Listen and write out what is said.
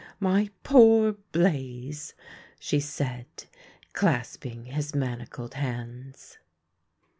my poor Blaze !" she said, clasp ing his manacled hands.